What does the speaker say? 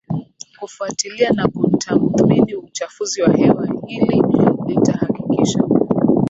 kufuatilia na kutathmini uchafuzi wa hewa Hili litahakikisha